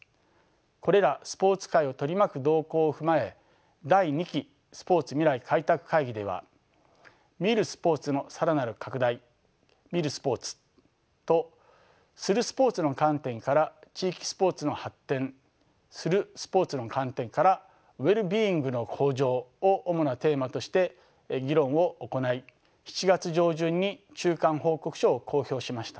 これらスポーツ界を取り巻く動向を踏まえ第二期スポーツ未来開拓会議では「みるスポーツの更なる拡大」「みる」スポーツと「する」スポーツの観点から「地域スポーツの発展」「する」スポーツの観点から「Ｗｅｌｌ−Ｂｅｉｎｇの向上」を主なテーマとして議論を行い７月上旬に中間報告書を公表しました。